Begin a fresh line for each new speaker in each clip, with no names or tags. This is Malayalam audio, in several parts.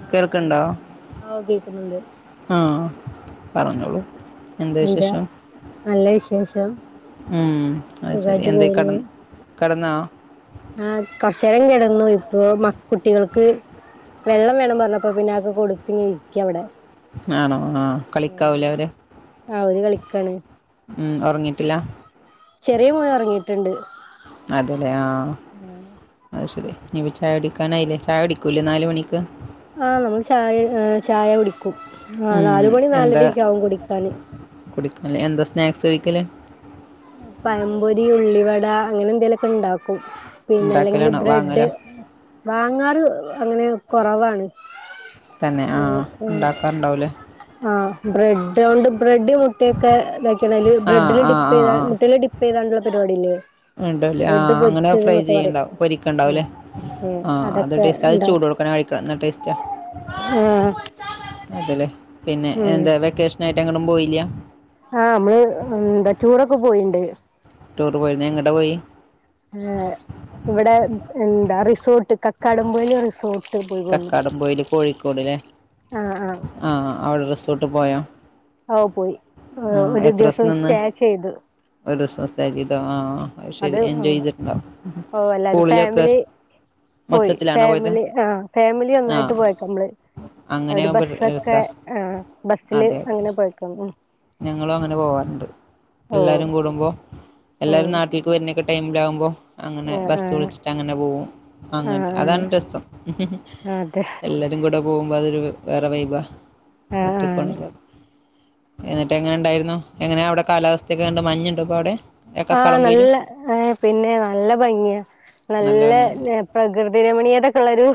ആഹ്
കേൾക്കണ്ടോ
എന്താ ശേ ഓ കേക്കുന്നുണ്ട്.
ആഹ് പറഞ്ഞോളൂ എന്താ വിശേഷം
നല്ല വിശേഷം
ഉംഹഅത് ശരി
സുഖായിട്ട്
എന്തേ
പോകുന്നു
കെടന്ന് കെടന്നോ
ആഹ് കൊറച്ചേരം കെടന്നു ഇപ്പൊ മ കുട്ടികൾക്ക് വെള്ളം വേണം പറഞ്ഞപ്പ പിന്നെ ആക്കെ കൊടുത്ത് ഇരിക്ക അവിടെ
ആണോ ആഹ് കളിക്കാവൂലേ അവര്
ആഹ് ഓര് കളിക്കാണ്
മ്മ് ഒറങ്ങിട്ടില്ല
ചെറിയ മോന് ഒറങ്ങിയിട്ടുണ്ട്
അതലെ ആഹ്‌ അത് ശരി ഇനി ചായുടിക്കാൻ ആയിലെ ചായ കുടിക്കൂല്ലേ നാല് മണിക്ക്
ആഹ്‌ നമ്മൾ ചായ ഏഹ് ചായ കുടിക്കും ആഹ്
ഉം
നാല് മണി നാലരൊക്കെ ആവും കുടിക്കാന്
കുടിക്കും ലെ എന്താ സ്നാക്സ് കഴിക്കല്
പഴംപൊരി, ഉള്ളിവട അങ്ങനെ എന്തേലൊക്കെ ഇണ്ടാക്കും പിന്നല്ലകില്
ഉണ്ടാക്കലാണോ
ബ്രെഡ്
വാങ്ങലോ
വാങ്ങാറ് അങ്ങനെ കൊറവാണ്
തന്നെ
ഏഹ് ആഹ്
ഉണ്ടാക്കാറുണ്ടാവൂലേ
ആഹ്‌ ബ്രെഡോണ്ട് ബ്രെഡ് മുട്ടയൊക്കെ ഇതാക്കണ്‌ അയില്
ആഹ്
ബ്രെഡില്
ആഹ്
ടി ബ്രെഡില് ഡിപ്പ് ചെയ്താണ്ടുള്ള പരിപാടി ഇല്ലേ
ഇണ്ടല്ലേ ആഹ് അങ്ങനെ ഫ്രൈ ചെയ്യണ്ടാവും പൊരിക്കിണ്ടാവുല്ലേ
ഉം ഉം
ആഹ് അത്
അതൊക്കെ
ടേസ്റ്റാ അത് ചൂടോട്ക്കനെ കഴിക്കണം എന്നാ ടേസ്റ്റാ
ഏഹ്
അതല്ലേ പിന്നെ എന്താ വെക്കേഷനായിട്ട് എങ്ങട്ടും പോയില്ല
ആഹ് നമ്മള് എന്താ ടൂറൊക്കെ പോയിണ്ട്
ടൂർ പോയിരുന്ന എങ്ങട പോയി
ഏഹ്‌ ഇവിടെ എന്താ റിസോർട്ട് കക്കാടം പൊയില് റിസോ [unintelligible] പോയി
കക്കാടം പൊയില് കോഴിക്കോട്ല്ലേ
ആഹ് ആഹ്
ആഹ്‌ അവിടെ റിസോർട്ട് പോയൊ
ഓഹ് പോയി ഒര്
എത്ര
ദിവസം
നിന്ന്
സ്റ്റേ ചെയ്ത്
ഒരു ദിവസം സ്റ്റേ ചെയ്തോ ആഹ്
അത്
ശെരി
ഉം
എൻജോയ് ചെയ്തിട്ടുണ്ടാവു
ഓ എല്ലാരും
പൂളിലൊക്കെ
ഫാമിലി പോയി
മൊത്തത്തിലാണോ പോയത്
ഫാമിലി ആഹ്‌ ഫാമിലി
ആ
ഒന്നായിട്ട് പോയക്ക ഞമ്മള്
അങ്ങനെ
ഒരു
ആകുമ്പോൾ
ബസ്സൊക്കെ
രസമാണ്
ആ ബസ്സില്
അതെ അതെ
അങ്ങനെ പൊയക്കാണ് മ്
ഞങ്ങളും അങ്ങനെ പോവാറുണ്ട്
ഓഹ്
എല്ലാരും കൂടുമ്പോ
ഉം
എല്ലാരും നാട്ടീക്ക് വരുന്നേക്ക ടൈമിലാവുമ്പോ അങ്ങനെ
ആഹ്
ബസ്സ്
ആഹ്
വിളിച്ചിട്ട് അങ്ങനെ പോവും അങ്ങൻതെ
ആഹ്
അതാണ് രസം
ആഹ് അതെ
എല്ലാ രും കൂടെ പോകുമ്പ അതൊരു വേറെ വൈബാ
ആഹ്
ഒറ്റക്ക്
ആഹ്
പോണില്ലാരിം എന്നിട്ട് എങ്ങനെ ഉണ്ടായിരുന്നു എങ്ങനെ അവിടെ കാലാവസ്ഥയൊക്കെ കണ്ട് മഞ്ഞുണ്ട് അപ്പൊ അവിടെ
ആഹ്
കക്കാടം പൊയില്
നല്ല ഏഹ്‌ പിന്നെ നല്ല ഭംഗിയാ നല്ല പ്രകൃതി രമണീയതൊക്കെ ഉള്ളരു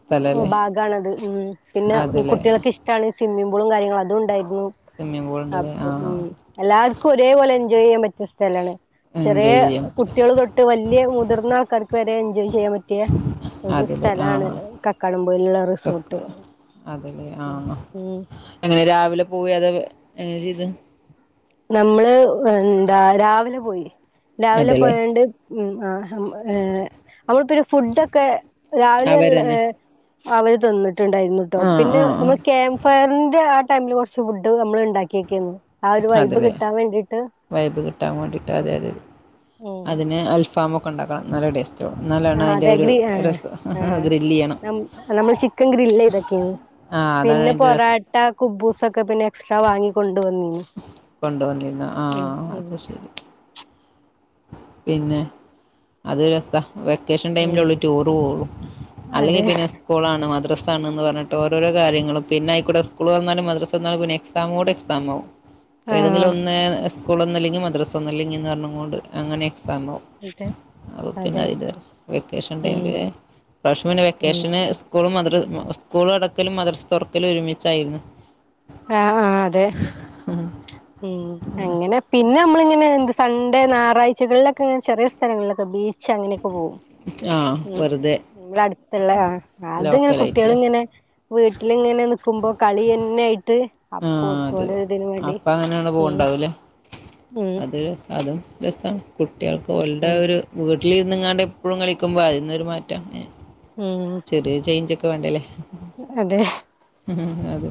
സ്ഥലല്ലേ
ഭാഗണത് മ്മ് പിന്നെ
അതല്ലേ
കുട്ടികൾക്ക് ഇഷ്ടാണ് സ്വിമ്മിംഗ് പൂളും കാര്യങ്ങളും അതും ഇണ്ടായിരുന്നു
സ്വിമ്മിംഗ് പൂൾ ഉണ്ടല്ലേ
അപ്പൊ
ആ
മ്മ് എല്ലാർക്കും ഒരേപോലെ എൻജോയ് ചെയ്യാൻ പറ്റിയ സ്ഥലാണ് ചെറിയ
എൻജോയ് ചെയ്യാൻ പറ്റും
കുട്ടികള് തൊ ട്ട് വെല്യേ മുതിർന്നാൾക്കാർക്ക് വരെ എൻജോയ് ചെയ്യാൻ പറ്റിയ ഒരു
അതല്ലേ ആ
സ്ഥലാണ് കക്കാടം പൊയിലുള്ള
കക്ക
റിസോർട്ട് ഉം
അങ്ങനെ രാവിലെ പോവെ അതോ എങ്ങനേ ചെയ്തെ
നമ്മള് എന്താ രാവിലെ പോയി രാവിലെ
അതെല്ലേ
പോയോണ്ട് ഉം ആഹ് നമ്മളിപ്പ ഒരു ഫുഡൊക്കെ രാവിലെ,
അവരന്നെ
അവര് തന്നിട്ടുണ്ടായിരുന്നുട്ടോ
ആ
പിന്നെ
ആ ആ
നമ്മള് ക്യാമ്പ് ഫയറിന്റെ ആ ടൈമില് കൊറ ഫുഡ് നമ്മൾ ഇണ്ടാക്കിയെക്കേന്ന് ആ ഒര് വൈബ് കിട്ടാൻ വേണ്ടിട്ട്
വൈബ് കിട്ടാൻ വാണ്ടിട്ട് അതെ അതെ അതെ
ഉം
അതിന് അൽ ഫാമൊക്ക ഇണ്ടാക്ക നല്ല ടേസ്റ്റ് എന്നാലാണ്
ആഹ്
അതിന്റെ
അതെ
ഒരു
ഗ്രി ആഹ്
രസം
ആഹ്
ഗ്രില്ല് ചെയ്യണം
നം നമ്മൾ ചിക്കൻ ഗ്രില്ല് ചെയ്തൊക്കെയ്ന്നു
ആഹ് അതാണ്
പിന്നെ
അതിൻ്റെ രസം
പൊറാട്ട, കുബൂസൊക്കെ പിന്നെ എക്സ്ട്രാ വാങ്ങി കൊണ്ട് വന്നിന്
കൊണ്ടുവന്നിരുന്ന ആഹ്‌ അത് ശെരി പിന്നെ അത് രസ വെക്കേഷൻ ടൈമില്
ഉം
അവള് ടൂറ് പോകും അല്ലെങ്കിൽ
അതെ
പിന്നെ സ് സ്കൂളാണ് മദ്രാസണെന്ന് പറഞ്ഞിട്ട് ഓരോരോ കാര്യങ്ങളും പിന്നെ അയി കൂടെ സ്കൂള് തൊറന്നാലും മദ്രസ തൊറന്നാലും പിന്നെ എക്സ് ക്‌സാമോഡ് എക്സാമവും ഏതെങ്കിലും
ആഹ്
ഒന്ന് സ്കൂളൊന്നല്ലങ്കി മദ്റസൊന്ന് അല്ലെങ്കിന്നറഞ്ഞ് കോണ്ട് അങ്ങനെ എക്സാം ആവും.
അതെ
അപ്പോ പിന്നെ
അതെ
അതേയ്കാരം വെക്കേഷൻ ടൈമില്
ഉം
ലെ ഇപ്രാവശ്യം പിന്നെ
ഉം
വെക്കേഷന് സ് സ്കൂള് മദ്‌റ സ്കൂള് അടക്കലും മദ്രസ തുറക്കലും ഒരുമിച്ചായിരുന്നു
ആഹ്‌ ആഹ്‌ അതെ
[inaudible]
മ് അങ്ങനെ പിന്നെ നമ്മളിങ്ങനെ എന്ത് സൺണ്ടേ ഞായറാഴ്ചകളിലൊക്കെ ഇങ്ങെനേ ചെറിയ സ്ഥലങ്ങളിലൊക്കെ ബീച്ച് അങ്ങനെയൊക്കെ പോവും
ആ
ഉം
വെറുതെ
വ്ടടുത്തുള്ള അത്ങ്ങനെ കുട്ടികൾ
ലോക്കലായിട്ടല്ലേ
ഇങ്ങനെ, വീട്ടിലിങ്ങനെ നിക്കുമ്പോ കളിയന്നെ അയ്ട്ട്
ആ
അപ്പോ ഓൾക്
അതെ
ഓലെ
അതെ
ഇതിനും വാണ്ടി
അപ്പം
ഉം ഉം
അത് അതും രസ്സാണ് കുട്ടിയാൾക്ക് ഓൽടാ
ഉം
ഒര് വീട്ടിലിരുന്ന്ങ്ങാണ്ട് എപ്പളും കളിക്കുമ്പോ അയിന്ന് ഒര് മാറ്റാണെ
ഉം
ചെറീയേ ചേയ്ഞ്ചാേക്കെ വാണ്ട ലെ
അതെ
ഉം അതെ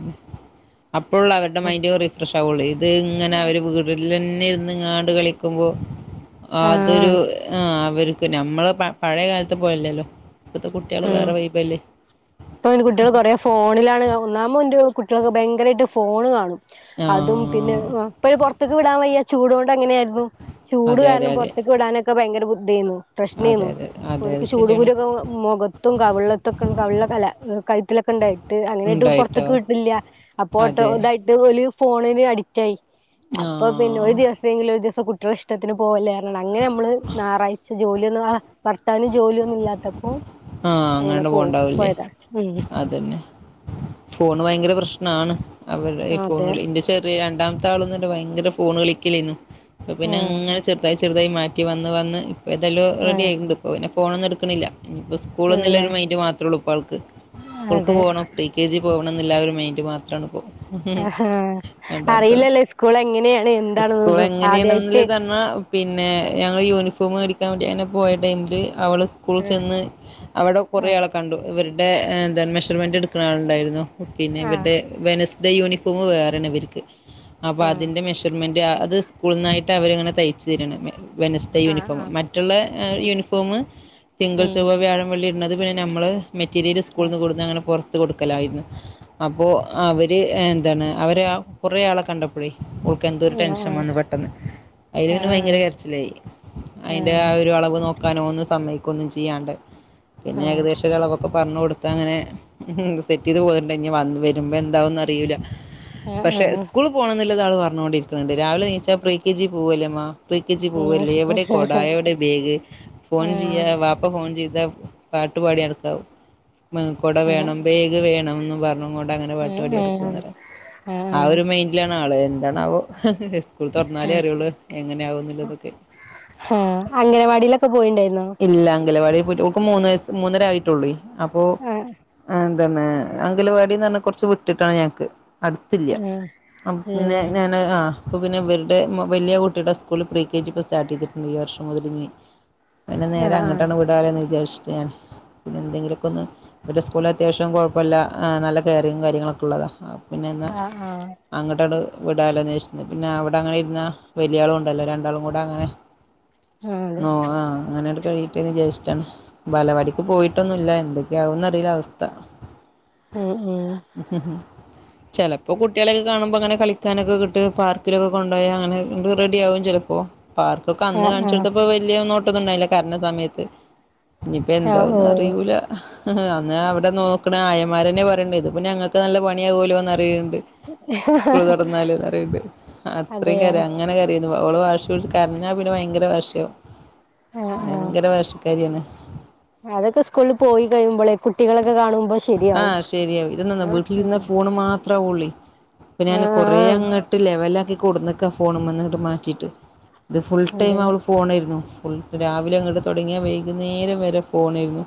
അപ്പോള്ളൂ അവര്ടെ മൈൻഡ് റിഫ്രഷ് ആവോള്ളൂ ഇത് ഇങ്ങനെ അവര് വീ വീട്ടിലന്നെ ഇരുന്ന്ങ്ങാണ്ട് കളിക്കുമ്പോ അതൊരു
ആഹ്
ആ അവര് ഞമ്മള പ പയെ കാലത്ത് പോലല്ലല്ലോ ഇപ്പത്തെ കുട്ടായെള്
ഉം
വേറെ വൈബ് അല്ലെ
ഇപ്പൊ അയ്‌ന് കുട്ടിയള് കൊറേ ഫോണിലാണ് ഒന്നാമേ ഇന്റെ കുട്ടിയളൊക്കെ ഭയരായിട്ട് ഫോണ് കാണും
ആ
അതും പിന്നെ ഇപ്പയൊ പോർത്ത്ക്ക് വിടാം വയ്യ ചൂടൊണ്ട് അങ്ങനെയിര്ന്നു ചൂട്
അതെ അതെ
കാരണം
അതെ
പോർത്ത്ക്ക് വിടാനൊക്കെ ഭയങ്കര ബുദ്ധേന്നു
അതെ
പ്രശ്നേന്നു
അതെ അതെ
ഓര്ക്ക്
അത് ശരിയാണ്
ചൂടുകുരൊക്കെ മൊഖ ത്തും കവ്ളതൊക്കെ കവിൾലൊക്കെ അല്ല കയ്ത്തിലൊക്കെ ഇണ്ടായിട്ട് അങ്ങനെടു
ഉണ്ടായിട്ടോ
പൊർത്ത്ക്ക് വിടില്ല അപ്പൊ ഓട്ടോ
അതെ
ഇതായിട്ട് ഓല് ഫോണിന് അഡിക്റ്റായി
ആ
അപ്പം പിന്നെ ഒരു ദിവ ഏതെങ്കിലും ഒരു ദിവസം കുട്ടിയളെ ഇഷ്ടത്തിന് പോവല്ലെർഞ്ഞാണ്ട് അങ്ങനെ നമ്മള് ഞാറാഴ്ച ജോലിയൊന്നും ആ ഭർത്താവിന് ജോലി ഒന്നും ഇല്ലാത്തപ്പോ
ആ
അങ്ങനെ
അങ്ങട്ട്
പോകും
പോവൂണ്ടാവൂ ലെ
പോയതാ ഉം
അതന്നെ ഫോണ് ഭയങ്കര പ്രശ്നാണ് അവര്ടെ ഈ
അതെ
ഫോണ്ല് ഇന്റെ ചെ രണ്ടാമത്താളും ഇന്നട്ട് ഭയങ്കര ഫോണ് കളിക്കലെന്നു അപ്പം പിന്നെ
ഉം
അങ്ങനെ ചെർതായി ചെ ചെർതായി മാറ്റി വന്ന് വന്ന് ഇപ്പ എതലു റെഡി
ആഹ്
ആയിണ്ട് ഇപ്പോ പിന്നെ ഫോണൊന്നും ഇട്ക്ക്ണില്ല ഇഞ്പ്പൊ സ് സ്കൂള്
ഇല്ലല്ലേ
ന്ന്ല്ലരു മൈൻഡ് മാത്രേ ഒള്ളൂ ഇപ്പ ആൾക്ക് സ്കൂൾക്ക്
അതെ
പോണ കുട്ടി കെ ജി പോവണംന്നില്ല ആ ഒരു മൈൻഡ് മാത്രാണ് ഇപ്പൊ
ആ ഹാ അറിയില്ലല്ലോ സ്കൂള് എങ്ങനെണ്
സ്കൂൾ
എന്താണെന്നൊന്നും
എങ്ങനെയാണെന്നില്
ആദ്യായിട്ട്
തന്നെ പിന്നെ ഞങ്ങള് ഈ യൂണിഫോം മേടിക്കാൻ വേണ്ടി അങ്ങനെ പോയ ടൈമില് അവള് സ്കൂള്
ആഹ്
ചെന്ന് അവടെ കൊറേ
ആഹ്
ആളെ കണ്ടു ഇവര്ടെ എന്താണ് മെഷർമെന്റ് ഇട്ക്കിണാള് ഇണ്ടായിരുന്നു പിന്നെ ഇവര്ടെ
ആഹ്
വെനസ് ഡേ യൂനിഫോമ് വേറെയാണ് ഇവര്ക്ക് അപ്പ
ആഹ്
അതിന്റെ മെഷർമെന്റ് ആ അത് സ്കൂൾന്നായിട്ട് അവര്ങ്ങനെ തയ്ച്ച് തരാണ് വെനസ് ഡേ
ആഹ്
യൂനിഫോമ്
ആഹ്
മറ്റുള്ള
അതെ
യൂനിഫോമ് തിങ്കൾ ചോ
ഉം
വ്യാഴം വള്ളി ഇട്ണത് പിന്നെ നമ്മള് മെറ്റീരിയല്
ആഹ്
സ്കൂൾന്ന് കൊട്ന്ന് അങ്ങനെ പൊർത്ത് കൊട്ക്കലായിര്ന്ന് അപ്പൊ അവര് എന്താണ് അവര് ആ കൊറെ ആള കണ്ടപ്പഴേ ഓൾ ക്ക് എന്തോ ഒരു ടെൻഷൻ
ആഹ്
വന്ന് പെട്ടെന്ന് അയില് പിന്നെ
ആഹ്
ഭയങ്കര കര്ച്ചിലായി, അയ്ന്റെ ആ
ആഹ്
ഒരു അളവ് നോക്കാനോ ഒന്ന് സമ്മയ്കൊന്നും ചെയ്യാണ്ട് പിന്നെ
ആഹ്
ഏകദേശം ഒരു അളവൊക്ക പർഞ്ഞ് കൊടുത്താ അങ്ങനെ സെറ്റ് ചെയ്ത് പോരണ്ടെ ഇഞ് വന്ന് വരുമ്പോ എന്താവുന്ന് അറിയൂല
ആഹ്
പക്ഷെ
ആഹ്
സ്കൂള് പോണംന്ന്ല്ലത് ആള് പർഞ്ഞോണ്ടിരിക്ക്ണ് ണ്ട് രാവിലെ നീച്ചാ പ്രീ കെ ജി പോവല്ലേ ഇമ്മാ പ്രീ കെ. ജി
ആഹ് ആഹ്
പോവല്ലേ
ആഹ്
എവ്ടെ കൊട എവ്ടെ ബേഗ് ഫോൺ
ആഹ്
ചെയ്യാ വാ പ്പ ഫോൺ ചെയ്താ പാട്ട് പാടി നടക്ക മ് കൊട വേണം ബേഗ് വേണംന്നും പർഞ്ഞും കൊണ്ട് അങ്ങനെ പട്ടുപാടി നടകാന്ന് പറയ
ആഹ് ആഹ്
ആ
ആഹ്
ഒരു മൈന്റിലാണ് ആള് എന്താണാവോ സ്കൂള് തൊർന്നാലേ അറിയൊള്ളൂ എങ്ങനെയാവും ന്ന്ള്ളതൊക്കെ
ഹാ അംഗനവാടിയിലൊക്കെ പോയിണ്ടായിരുന്നോ
ഇല്ല അംഗലവാടി പോയി്ട്ട് ഓക്ക് മൂന്ന് വയസ് മൂന്നര ആയിട്ടോള്ളയ് അപ്പോ
ആഹ്
ന്നെ അംഗലവാടിന്ന് പർഞ്ഞ കൊർച്ച് വിട്ട്ട്ടാണ് ഞങ്ങക്ക് അട്ത്തില്ല
ആഹ്
അ പിന്നെ
ഇല്ലല്ലേ
ഞാന് ആ. അപ്പോ പിന്നെ ഇവര്ടെ വല്ല്യ കുട്ടിയുടെ സ്കൂൾല് പ്രീ കെ ജി ഇപ്പ സ്റ്റാർട്ട് ചെയ്തിട്ടുണ്ട് ഈ വർഷം മുതല് ഇഞ് പിന്നെ നേരെ
ആഹ് ആഹ്
അങ്ങട്ടാണ്ട് വിടാലോന്ന് വിചാരിച്ചിട്ട് ഞാന് പിന്നെ എന്തെങ്കിലൊക്കെന്ന് ഇവിടെ സ്കൂളിൽ അത്യാവശ്യം കുഴപ്പല്ല നല്ല കെയറും കാര്യങ്ങളൊക്കെ ഉള്ളതാണ് പിന്നെന്നാ.
ആഹ് ആഹ്
അങ്ങട്ടാട്ട് വിടല്ലോന്വേഷിച്ചുന്നത് പിന്നെ അവിടെ അങ്ങനെ ഇരുന്ന വലിയളും ഉണ്ടല്ലോ രണ്ടാളും കൂടെ അങ്ങനെ,
ആഹ് അതെ
ഓ ആഹ് അങ്ങനെയണ്ട് കഴി ചേഷാണ് ബലപടിക്ക് പോയിട്ടൊന്നുംല്ല എന്തൊക്കെയ ആകന്ന് അറിയില അവസ്ഥ
ഉം ഉം
[inaudible] ചിലപ്പോ കുട്ടികളെക്കെ കാണുമ്പോൾ അങ്ങനെ കളിക്കാനൊക്കെ കിട്ട് പാർക്കിലോക്കെ കൊണ്ടായ അങ്ങനെ റെഡി ആകും ചിലപ്പോ പാർക്കൊക്കെ അന്ന്
ആഹ് ആഹ്
കാണിച്ചെടുത്തപ്പോ വലിയ നോട്ടൊന്നും ഉണ്ടായില്ല കരഞ്ഞ സമയത്ത് ഇഞ്ഞിപ്പ
ആഹ്
എന്താന്ന്
ഓഹ്
അറിയൂല. അന്നാ അവിടെ നോക്കണ ആയന്മാരന്നെ പറയ്ണ്ട് ഇതിപ്പ ഞങ്ങൾക്ക് നല്ല പണിയാകലോന്ന്റയുന്നുണ്ട് സ്കൂൾ തുറന്നാല് പറയ്ണ്ട് അത്രയും
അതെയോ
കരയ് അങ്ങനെ കര- പിന്നെ ഓൾ വാശി പിടിച്ചു കരഞ്ഞാ പിന്നെ ഭയങ്കര വാശിയാവും
ആഹ് ആഹ്
ഭയങ്കര വാശിക്കാരിയാണ്.
അതൊക്കെ സ്കൂളിൽ പോയി കഴിയുമ്പോളെ കുട്ടികളൊക്കെ കാണുമ്പോ ശെരിയാവും,
ആഹ് അത്രള്ള ഞാൻ കൊറെേ
ആഹ്
അങ്ങോട്ട് ലെവല ആക്കി കൊടുന്ന ഫോണും മന്ന് മാറ്റിട്ട് ഇത് ഫുൾ ടൈം
അതെ
അവള് ഫോണായിരുന്നു ഫുൾ രാവിലെ അങ്ങോട്ട് തുടങ്ങിയാൽ വൈകുന്നേരം വരെ ഫോണായിരുന്നു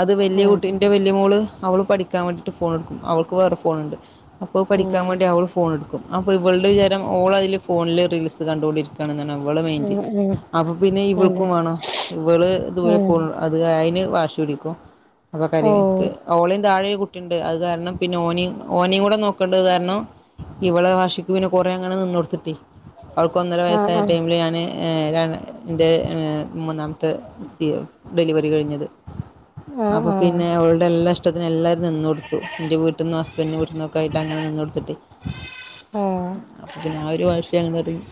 അത് വലിയ കുട്ടി
അതെ
വല്ല്യ മോള് അവൾ പഠിക്കാൻ വേണ്ടിട്ട് ഫോൺ എടുക്കും അവൾക്ക് വേറെ ഫോൺുണ്ട് അപ്പോ പഠിക്കാൻ
ഉം
വേണ്ടി അവള്, ഫോൺ എടുക്കും അപ്പോൾ ഇവളടെ വിചാരം ഓൾ അതില് ഫോണില് റീൽസ് കണ്ടുകണ്ടിരിക്കും. ഇവള് മൈന്റ്
ഉം ഉം
അപ്പൊ പിന്നെ
അതെ
ഇവൾക്കും വേണോ ഇവള് ഇതുപോലെ
ഉം
ഫോൺ. അത് അയ്ന് വാശി പിടിക്കും അപ്പൊ കരയും ക്ക്
ഓഹ്
ഓളൈൻ താഴെ ണ്ട് അത് കാരണം പിന്നെ ഓനെ ഓനേം കൂടെ നോക്കേണ്ടത് കാരണം ഇവടെ വാശിക്ക് പിന്നെ കൊറെ അങ്ങെ നിന്നോടുത്തിട്ട് അവർക്ക് ഒന്നര
ആഹ്
വയസ്സായ
ആഹ്
ടൈമില് ഞാന് താണ് എൻ്റെ മൂന്നാമത്തെ സ ഡെലിവറി കഴിഞ്ഞത്. അപ്പൊ
ആഹ് ആഹ്
പിന്നെ ഓൾടെ എല്ലാം ഇഷ് ഇഷ്ടത്തിന് എല്ലാവും നിന്നടുത്തു എൻ്റെ വീട്ടന്നും ഹസ്ബൻഡ് വീട്ടിൽന്നക്കെ ആയിട്ട് അങ്ങന നിന്നടുത്തിട്ട്
ആഹ്.
പിന്നെ ആ ഒരു വാശിയാന്നറിയും,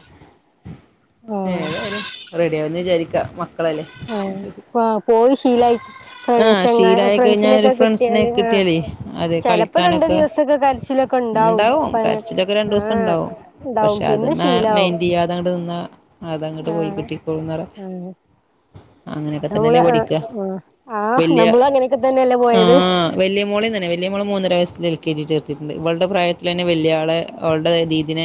ആഹ്
ഏതായാലും റെഡിയാകുന്ന് വിചാരിക്ക മക്കളല്ലേ.
ഏഹ്, ആഹ് പോയിഷീലായി,
ആഹ് ഷീലായ കഴിഞ്ഞാ ഒരു ഫ്രണ്ട്സിനെ
കിട്ടിയാല് ആഹ്
കിട്ടിയാലേ അതെ
ചെലപ്പോ രണ്ടു
കളിക്കാനൊക്കെ.
ദിവസൊക്കെ കരച്ചിലൊക്കെ ഉണ്ടാവും
ണ്ടാവും
പ
കരച്ചിലൊക്കെ രണ്ടു ദിവസം
ആഹ്
ഉണ്ടാവും
ഉണ്ടാവും
പക്ഷെ അത്
പിന്നെ ശീലാവും
മെയിന്റയ്യാതെ അങ്ങ് നിന്ന- അതങ്ങട്ട് പോയി
ആഹ്
കിട്ടിക്കോളുംന്നറ
ഉം
അങ്ങനെയൊക്കെ
അത് നമ്മള്
തന്നെല്ലേ
ആ
പഠിക്കാ.
ആ
വല്യ
നമ്മള് അങ്ങനെയൊക്കെ തന്നെയല്ലേ
ആ
പോയത്
വല്യ മോളീ തന്നെ. വലിയ മോള് മൂന്നര വയസ്സൽ എൽ കെ ജി ചേർത്തിട്ടുണ്ട് ഇവളുടെ പ്രായത്തിൽ തന്നെ വലിയാളെ ഓളുടെ ദീദിനെ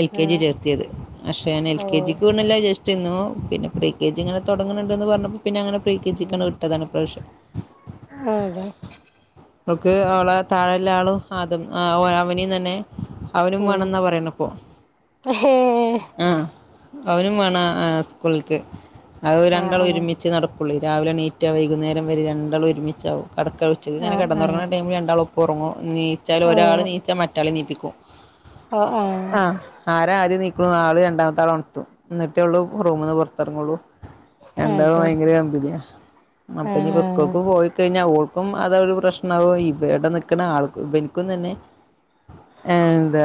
എൽ
ആ
കെ ജി ചേർത്തിയത് പക്ഷെ ഞാൻ എൽ
ഓ
കെ ജിക്ക് കൊണല്ല ജസ്റ്റ്- പിന്നെ പ്രീ കെ ജി ഇങ്ങനെ തുടങ്ങുന്നുണ്ട്ന്ന് പറഞ്ഞപ്പോ പിന്നെ അങ്ങനെ പ്രീ കെ ജിക്കങ്ങട്ട് വിട്ടതാണ് പ്രാവശ്യം
അതെ
ഓൾക്ക് അവളെ താഴെല്ല ആളും ആതും അവനും തന്നെ. അവനും
ഉം
വേണംന്നാ പറയണപ്പൊ
ഹേ
ആഹ് അവനും വേണം സ്കൂളിക്ക് അപ്പ
ആ
രണ്ടാള്
ആ
ഒരുമിച്ച നടക്കുള്ളൂ രാവിലെ നീ. റ്റ വൈകുന്നേരം വരെ രണ്ടാളും ഒരുമിച്ചാവും കടക്ക
ആ
ഉച്ചക്ക്ങ്ങനെ
ആ
കടന്നുറങ്ങുന്ന ടൈമിൽ രണ്ടാളും. പ്പൊറങ്ങു നീച്ചാൽ
ഓ
ഒരാള് നീച്ചാൽ മറ്റാളെ നീപ്പിക്കും,
ആഹ് ആഹ്
ആര ആദ്യം നീക്ണൂ ആള് രണ്ടാമത്തെ ആളെ ഉണത്തു എന്നിട്ടേ ഉള്ളൂ റൂമ്ന്ന് പുറത്തിറങ്ങുള്ളൂ. രണ്ടാളും
അതെ
ഭയങ്കര കമ്പനിയ
ആ
അപ്പൊ ഇനിപ്പോ സ്കൂൾക്ക് പോയിക്കഴിഞ്ഞാ ഒ ഇപ്പം അതോരു പ്രശ്നമാവും ഇവിടെ നിൽക്കുന്ന ആൾക്ക്‌ ഇവൽക്കും തന്നെ ഏ എന്താ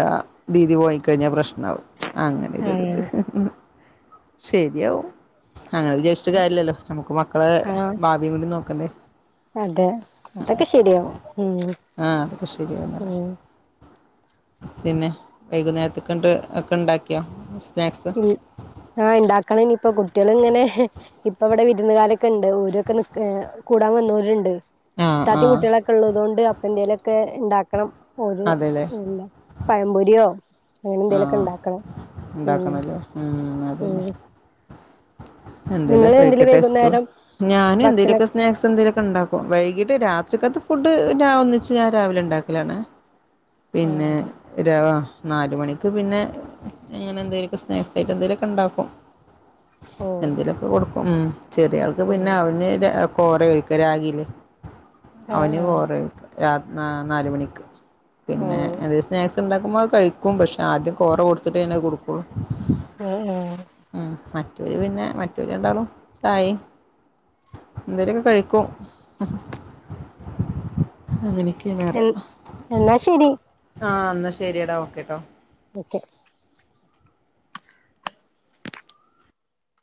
ദിതി പോയി കഴിഞ്ഞാൽ പ്രശ്നവും
ആ
അങ്ങനെരുത്ണ്ട്
ആ
ശരിയാകും അങ്ങനെ വിചാരി ചിട്ട് കാര്യല്ലല്ലോ നമുക്ക് മക്കളെ
ആ
ഭാവിയും കൂടി നോക്കണ്ടേ
അതെ അതൊക്കെ ശെരിയാവും ഉം
ആഹ് അതൊക്കെ ശരിയാവുന്ന് പറയാ
ഉം
പിന്നെ വൈകുന്നേരത്തക്കണ്ട് ഒക്കെ ഉണ്ടാക്കിയോ സ്നാക്സ്
ഉം ആഹ് ഇണ്ടാക്കണം ഇനിയിപ്പൊ കുട്ടികള് ഇങ്ങനെ ഇപ്പ ഇവിടെ വിരുന്നുകാരൊക്കെ ഇണ്ട് ഓരൊക്കെ നിക്ക് എ കൂടാൻ വന്നോരുണ്ട്
ആഹ്
ഇത്താത്തിം
ആഹ്
കുട്ടികളൊക്കെ ഉള്ളതുകൊണ്ട് അപ്പന്തേലൊക്കെ ഇണ്ടാക്കണം ഒരു
അതെല്ലേ
എന്താ പഴംപൊരിയോ അങ്ങനെ എന്തെലുലൊക്കെ ഇണ്ടാക്കണം ഉം
ഇണ്ടാക്കണല്ല ഉം അതെന്നെ
ഉം
എന്തേലോ
നിങ്ങള് എന്തേലും
കഴിക്കട്ടെ സ്കൂൾ
വൈകുന്നേരം
ഞാനും
ഭക്ഷണം
എന്തേലുക്കെ സ്സ് സ്നാക്സ് എന്തെങ്കലുമൊക്കെ ഇണ്ടാക്കും വൈകിട്ട് രാത്രിക്കകത്ത് ഫുഡ്ഞാൻ ഒന്നിച്ച് ഞൻ രാവിലെ ഉണ്ടാക്കലാണ്
ആഹ്
പിന്നെ
അതെ
ര നാൽ മണിക്ക് പിന്നെ ഇങ്ങനെന്തേലൊക്കെ സ്നാക്സയിട്ട് എന്തെലുക്കെ ഇണ്ടാക്കും.
ഓഹ്
എന്തേലൊക്കെ കൊടുക്കും മ്മ് ചെറിയ ആൾക്ക് പിന്നെ
ഉം
അവന് ര കോറ ഒഴിക്കുക രാഗിൽ
ആഹ്
അവന്
ആഹ്
കോറ ഒഴക്കുക രാത് നാൽ മണിക്ക് പിന്നെ
ഓഹ്
എന്തലും സ്നക്സ് ഇണ്ടാക്കുമ്പോൾഅധ് കഴിക്കും പക്ഷെ ആദ്യം കോറ കൊടുത്തിട്ട് പിന്നെ കൊടുക്കു
ആഹ് ആഹ്
മറ്റോല് പിന്നെ മറ്റോല് രണ്ടളും ചായയും എന്തോലൊക്കെ കഴിക്കും അങ്ങനക്കെയണ്
എൻ
പറയാ
എന്നാ ശരി
ആഹ് എന്ന ശരിയടാ ഓക്കെ ട്ടോ
ഓക്കെ